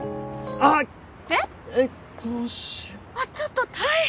あっちょっと大変！